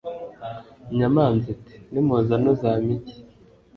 inyamanza iti 'nimuzana uzampa iki